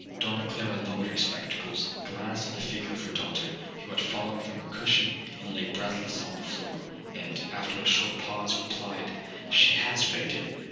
'Donna Clara lowered her spectacles, glanced at the figure of her daughter, who had fallen from her cushion, and lay breathless on the floor, and, after a short pause, replied, 'She has fainted.